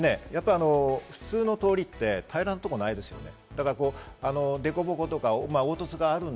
普通の通りって平らなところはないですよね。